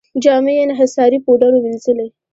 جامې یې انحصاري پوډرو مینځلې.